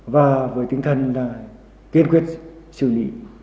và với tinh thần kiên quyết xử lý